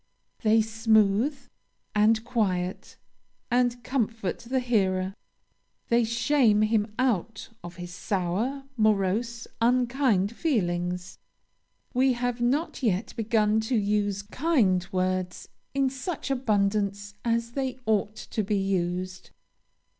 They smooth, and quiet, and comfort the hearer. They shame him out of his sour, morose, unkind feelings. We have not yet begun to use kind words in such abundance as they ought to be used."